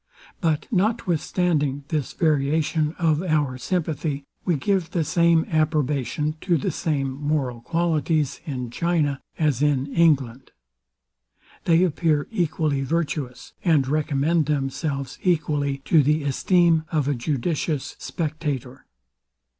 But notwithstanding this variation of our sympathy, we give the same approbation to the same moral qualities in China as in England. They appear equally virtuous, and recommend themselves equally to the esteem of a judicious spectator.